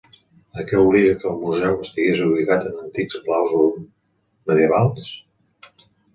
A què obliga que el museu estigues ubicat en antics palaus medievals?